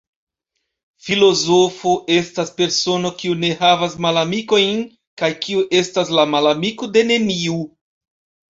Filozofo estas persono, kiu ne havas malamikojn kaj kiu estas la malamiko de neniu.